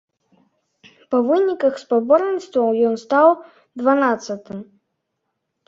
Па выніках спаборніцтваў ён стаў дванаццатым.